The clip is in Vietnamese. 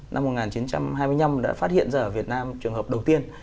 năm một nghìn chín trăm hai mươi năm đã phát hiện ra ở việt nam trường hợp đầu tiên